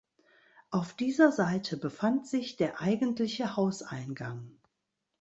Auf dieser Seite befand sich der eigentliche Hauseingang.